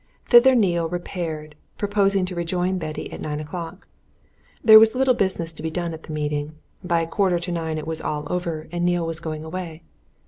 Thither Neale repaired, promising to rejoin Betty at nine o'clock. There was little business to be done at the meeting: by a quarter to nine it was all over and Neale was going away.